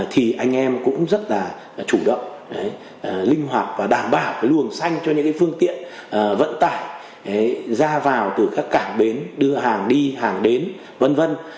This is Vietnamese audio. chúng ta cũng rất là chủ động linh hoạt và đảm bảo cái luồng xanh cho những cái phương tiện vận tải ra vào từ các cảng bến đưa hàng đi hàng đến vân vân